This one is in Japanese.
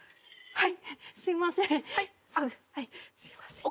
はい。